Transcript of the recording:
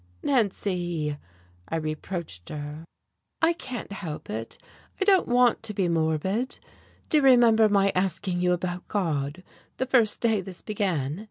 "Nancy!" I reproached her. "I can't help it I don't want to be morbid. Do you remember my asking you about God? the first day this began?